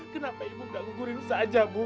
kenapa ibu gak ngugurin saja bu